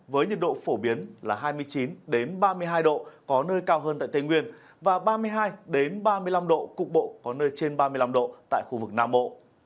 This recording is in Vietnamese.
với nhiệt độ phổ biến là hai mươi chín ba mươi hai độ có nơi cao hơn tại tây nguyên và ba mươi hai ba mươi năm độ cục bộ có nơi trên ba mươi năm độ tại khu vực nam bộ